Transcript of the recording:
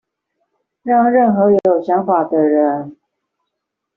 讓任何有想法的人